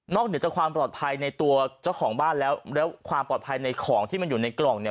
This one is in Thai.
เหนือจากความปลอดภัยในตัวเจ้าของบ้านแล้วแล้วความปลอดภัยในของที่มันอยู่ในกล่องเนี่ย